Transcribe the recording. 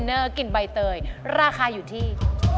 เนอร์กินใบเตยราคาอยู่ที่